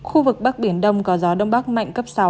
khu vực bắc biển đông có gió đông bắc mạnh cấp sáu